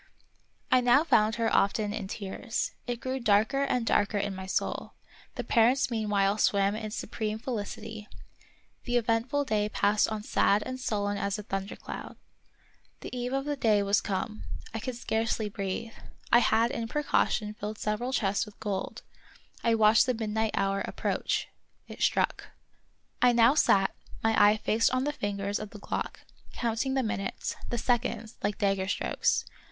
I now found her often in tears. It grew darker and darker in my soul ; the parents meanwhile swam in supreme felicity ; the eventful day passed on sad and sullen as a thundercloud. The eve of the day was come. I could scarcely breathe. I had in precaution filled several chests with gold. I watched the midnight hour approach. It struck. I now sat, my eye fixed on the fingers of the clock, counting the minutes, the seconds, like dagger strokes.